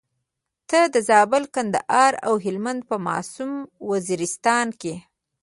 نه د زابل، کندهار او هلمند په معصوم وزیرستان کې.